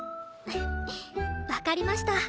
わかりました。